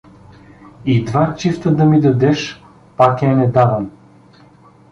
— И два чифта да ми дадеш, пак я не давам.